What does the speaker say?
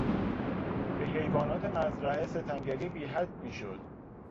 به حیوانات مزرعه ستمگری بیحد میشد.